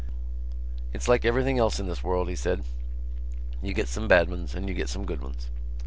"It's like everything else in this world," he said. "You get some bad ones and you get some good ones."